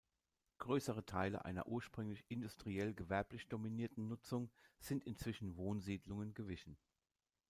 Größere Teile einer ursprünglich industriell-gewerblich dominierten Nutzung sind inzwischen Wohnsiedlungen gewichen.